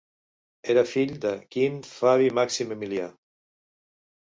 Era fill de Quint Fabi Màxim Emilià.